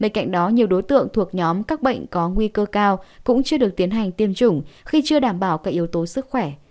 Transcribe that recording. bên cạnh đó nhiều đối tượng thuộc nhóm các bệnh có nguy cơ cao cũng chưa được tiến hành tiêm chủng khi chưa đảm bảo các yếu tố sức khỏe